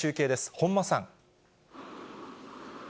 本間さん。